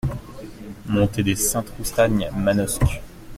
Montée de Sainte-Roustagne, Manosque